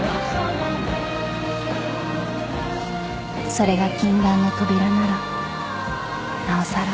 ［それが禁断の扉ならなおさら］